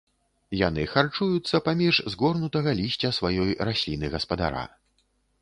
Яны харчуюцца паміж згорнутага лісця сваёй расліны-гаспадара.